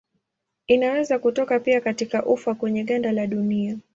Inaweza kutoka pia katika ufa kwenye ganda la dunia.